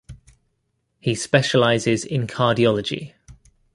He specialises in cardiology.